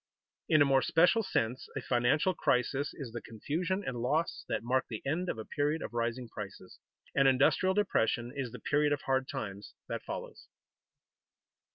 _In a more special sense a financial crisis is the confusion and loss that mark the end of a period of rising prices; an industrial depression is the period of hard times that follows.